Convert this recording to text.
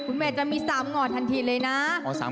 แม่จะมี๓งอทันทีเลยนะ